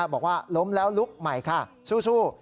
บอกว่าล้มแล้วลุกใหม่ค่ะสู้